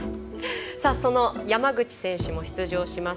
その山口選手も出場します